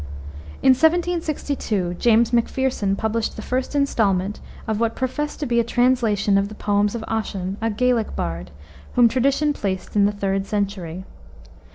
In 1762 James Macpherson published the first installment of what professed to be a translation of the poems of Ossian, a Gaelic bard, whom tradition placed in the 3d century.